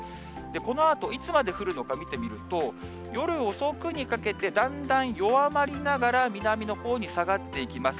このあと、いつまで降るのか見てみると、夜遅くにかけてだんだん弱まりながら、南のほうに下がっていきます。